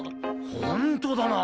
本当だな。